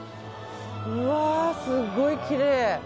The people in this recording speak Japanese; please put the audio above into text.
うわー、すごいきれい。